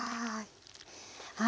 はい。